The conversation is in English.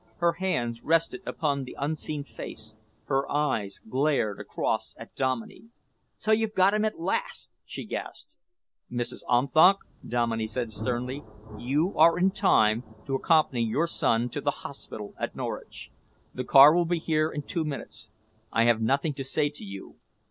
Her hands rested upon the unseen face, her eyes glared across at Dominey. "So you've got him at last!" she gasped. "Mrs. Unthank," Dominey said sternly, "you are in time to accompany your son to the hospital at Norwich. The car will be here in two minutes. I have nothing to say to you.